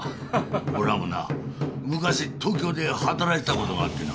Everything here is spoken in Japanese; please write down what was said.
おらもな昔東京で働いてたことがあってな。